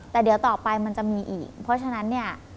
แต่เดี๋ยวต่อไปมันจะมีอีกเพราะฉะนั้นเนี่ย